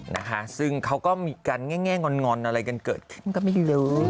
นะคะซึ่งเขาก็มีการแง่งอนอะไรกันเกิดขึ้นมันก็ไม่รู้เลย